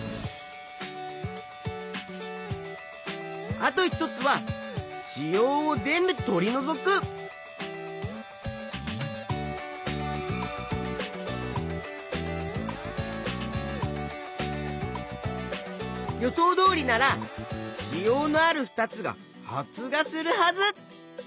あと一つは子葉を全部とりのぞく。予想どおりなら子葉のある２つが発芽するはず！